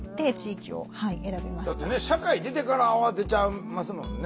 だってね社会出てから慌てちゃいますもんね。